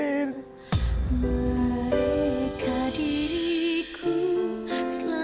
yang ada di suku ku